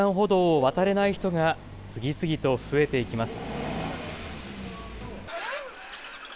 横断歩道を渡れない人が次々と増えていきます。